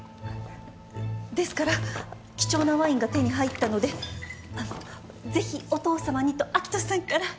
ですから貴重なワインが手に入ったのでぜひお父さまにと明人さんから。